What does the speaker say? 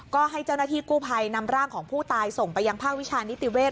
ก็ให้เจ้าหน้าที่กู้ภัยนำร่างของผู้ตายส่งไปยังภาควิชานิติเวศ